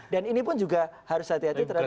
dan ini pun juga harus hati hati terhadap